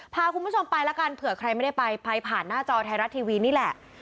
พาคุณผู้ชมไปแล้วกันเผื่อใครไม่ได้ไปไปผ่านหน้าจอไทยรัฐทีวีนี่แหละ